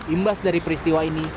imbas dari peristiwa ini